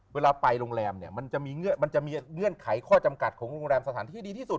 เวลาไปโรงแรมเนี่ยมันจะมีเงื่อนไขข้อจำกัดของโรงแรมสถานที่ดีที่สุด